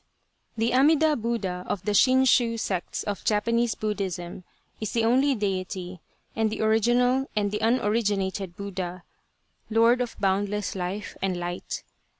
The Amida Buddha of the Shinshu sects of Japanese Buddhism is the only Deity, and the Original and the Un originated Buddha, Lord of Boundless Life and Light.